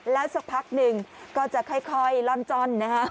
แล้วสักพักหนึ่งก็จะค่อยล่อนจ้อนนะฮะ